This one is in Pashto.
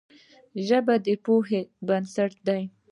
ژبه د پوهې بنسټ ده